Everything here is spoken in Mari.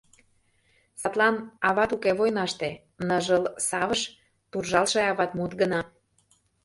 Садлан ават уке войнаште — ныжыл савыш, туржалтше аватмут гына…